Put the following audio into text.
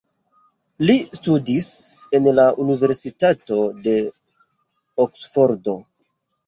Li studis en la Universitato de Oksfordo.